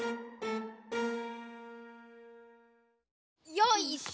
よいしょ。